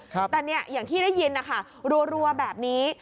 แต่เนี่ยอย่างที่ได้ยินนะคะรัวแบบนี้